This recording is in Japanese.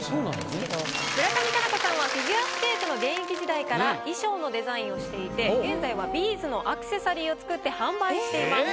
村上佳菜子さんはフィギュアスケートの現役時代から衣装のデザインをしていて現在はビーズのアクセサリーを作って販売しています。